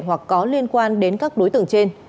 hoặc có liên quan đến các đối tượng trên